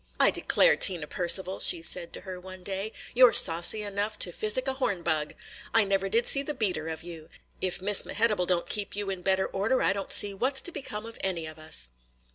"I declare, Tina Percival," she said to her one day, "you 're saucy enough to physic a horn bug! I never did see the beater of you! If Miss Mehitable don't keep you in better order, I don't see what 's to become of any of us!"